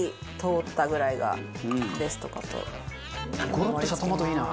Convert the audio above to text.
ゴロッとしたトマトいいな。